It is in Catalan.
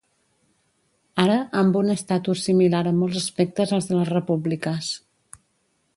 Ara amb un estatus similar en molts aspectes als de les repúbliques.